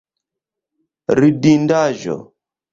Ridindaĵo!